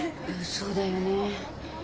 そうだよね